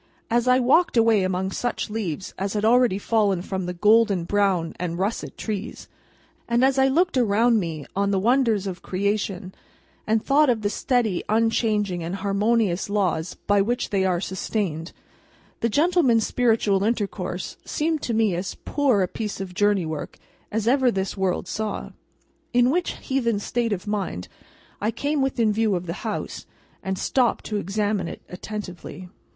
As I walked away among such leaves as had already fallen from the golden, brown, and russet trees; and as I looked around me on the wonders of Creation, and thought of the steady, unchanging, and harmonious laws by which they are sustained; the gentleman's spiritual intercourse seemed to me as poor a piece of journey work as ever this world saw. In which heathen state of mind, I came within view of the house, and stopped to examine it attentively.